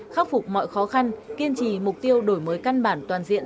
khắc phục mọi khó khăn kiên trì mục tiêu đổi mới căn bản toàn diện